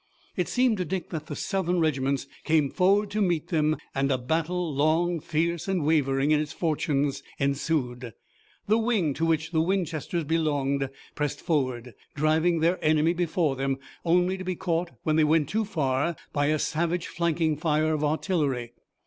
It seemed to Dick that the Southern regiments came forward to meet them and a battle long, fierce and wavering in its fortunes ensued. The wing to which the Winchesters belonged pressed forward, driving their enemy before them, only to be caught when they went too far by a savage flanking fire of artillery.